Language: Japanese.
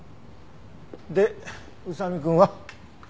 で宇佐見くんは？